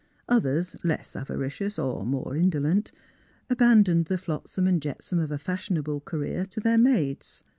Others, less avari cious or more indolent, abandoned the flotsam and jetsam of a fashionable career to their maids.